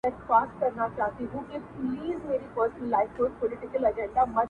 موږ چي د پردیو په ګولیو خپل ټټر ولو-